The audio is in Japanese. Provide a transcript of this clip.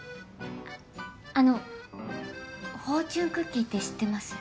あのフォーチュンクッキーって知ってます？